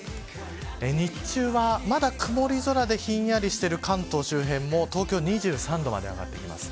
日中はまだ曇り空でひんやりしている関東周辺も東京は２３度まで上がってきます。